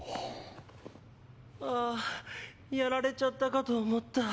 ああやられちゃったかと思った。